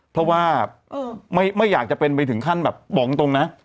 เพราะว่าไม่อยากจะเป็นไปถึงขั้นแบบบอกตรงนะ